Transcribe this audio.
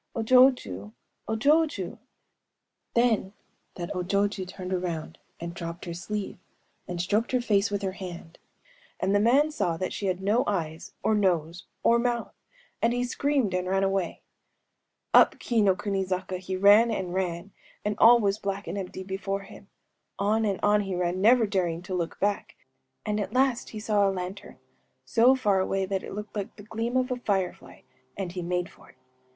O jochŇę!‚ÄĒO jochŇę!‚ÄĚ... Then that O jochŇę turned around, and dropped her sleeve, and stroked her face with her hand;‚ÄĒand the man saw that she had no eyes or nose or mouth,‚ÄĒand he screamed and ran away. (2) Up Kii no kuni zaka he ran and ran; and all was black and empty before him. On and on he ran, never daring to look back; and at last he saw a lantern, so far away that it looked like the gleam of a firefly; and he made for it.